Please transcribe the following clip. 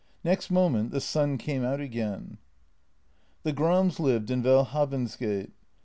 Next moment the sun came out again. The Grams lived in Welhavensgate.